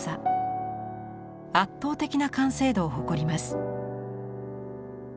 圧倒的な完成度を誇ります。